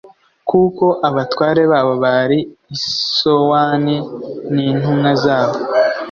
kuko abatware babo bari i Sowani n intumwa zabo